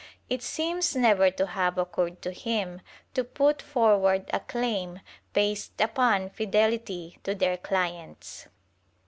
It seems never to have occurred to him to put forward a claim based upon fidelity to their clients.